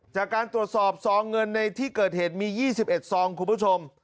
จากการตรวจสอบซองเงินในที่เกิดเหตุมี๒๑ซองคุณผู้ชม